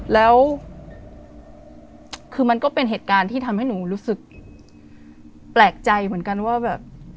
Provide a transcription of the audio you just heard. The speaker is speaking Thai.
แล้วคือมันก็เป็นเหตุการณ์ที่ทำให้หนูรู้สึกแปลกใจเหมือนกันว่าแบบ